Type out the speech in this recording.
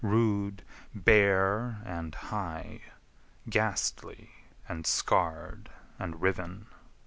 rude, bare, and high, Ghastly, and scarr'd, and riven.